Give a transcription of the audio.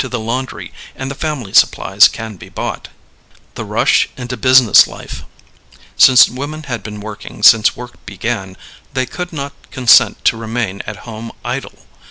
The washing and ironing can go to the laundry and the family supplies can be bought. THE RUSH INTO BUSINESS LIFE. Since women had been working since work began, they could not consent to remain at home idle.